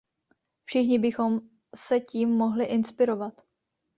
Všichni bychom se tím mohli inspirovat.